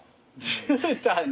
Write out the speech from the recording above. じゅうたんで。